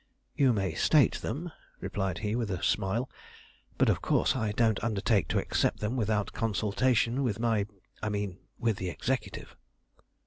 "You may state them," replied he, with a smile, "but, of course, I don't undertake to accept them without consultation with my I mean with the Executive."